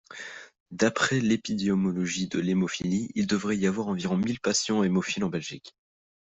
D'après l'épidémiologie de l'hémophilie, il devrait y avoir environ mille patients hémophiles en Belgique.